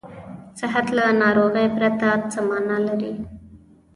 صحت له ناروغۍ پرته څه معنا لري.